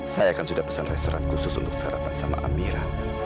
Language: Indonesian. saya akan sudah pesan restoran khusus untuk sarapan sama amira